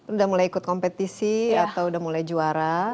udah mulai ikut kompetisi atau udah mulai juara